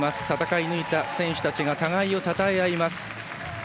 戦い抜いた選手たちが互いをたたえ合います。